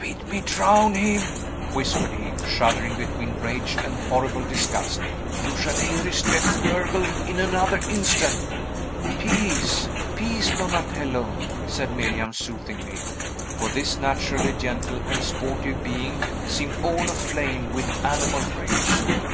"Bid me drown him!" whispered he, shuddering between rage and horrible disgust. "You shall hear his death gurgle in another instant!" "Peace, peace, Donatello!" said Miriam soothingly, for this naturally gentle and sportive being seemed all aflame with animal rage.